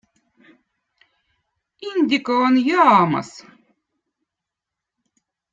ind̕ukkõ on Jaamõz